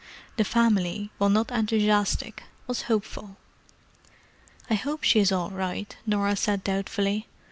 The family, while not enthusiastic, was hopeful. "I hope she's all right," Norah said doubtfully.